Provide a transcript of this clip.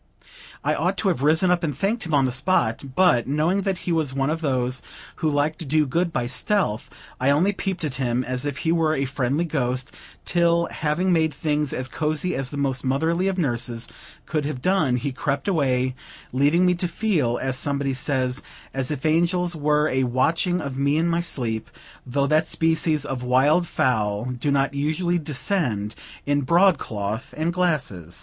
I ought to have risen up and thanked him on the spot; but, knowing that he was one of those who like to do good by stealth, I only peeped at him as if he were a friendly ghost; till, having made things as cozy as the most motherly of nurses could have done, he crept away, leaving me to feel, as somebody says, "as if angels were a watching of me in my sleep;" though that species of wild fowl do not usually descend in broadcloth and glasses.